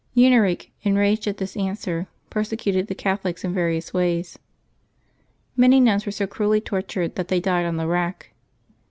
Huneric, enraged at this answer, persecuted the Catholics in various ways. Many nuns were so cruelly tortured that they died on the rack.